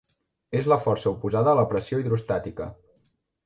És la força oposada a la pressió hidrostàtica.